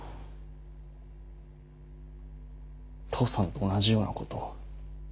父さんと同じようなことを。